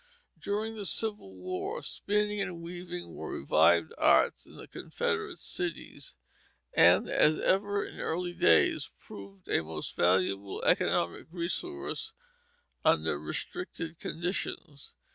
During the Civil War spinning and weaving were revived arts in the Confederate cities; and, as ever in earlier days, proved a most valuable economic resource under restricted conditions.